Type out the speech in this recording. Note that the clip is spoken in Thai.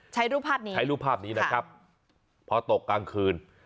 ใช้รูปภาพนี้ใช้รูปภาพนี้นะครับพอตกกลางคืน